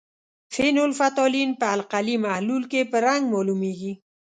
فینول فتالین په القلي محلول کې په رنګ معلومیږي.